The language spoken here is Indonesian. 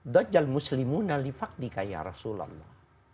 dajjal muslimu nalifakdika ya rasulullah